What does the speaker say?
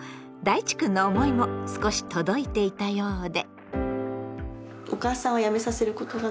いちくんの思いも少し届いていたようで。